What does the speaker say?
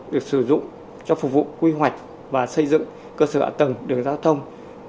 được sử dụng cho phục vụ quy hoạch và xây dựng cơ sở ạ tầng đường giao thông